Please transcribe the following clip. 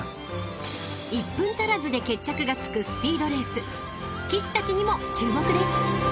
［１分足らずで決着がつくスピードレース騎手たちにも注目です］